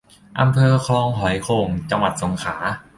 อำเภอคลองหอยโข่ง จังหวัดสงขลา